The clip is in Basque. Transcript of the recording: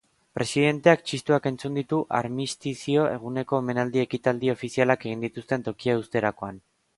Presidenteak txistuak entzun ditu armistizio eguneko omenaldi ekitaldi ofizialak egin dituzten tokia uzterakoan.